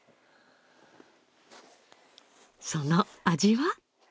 その味は？